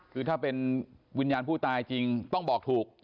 คือถ้าเป็นวิญญาณผู้ตายจริงต้องบอกถูก